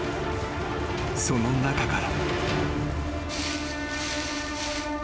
［その中から］